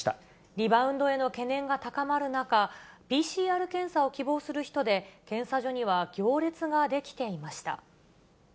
リバウンドへの懸念が高まる中、ＰＣＲ検査を希望する人で、検査所には行列が出来ていました。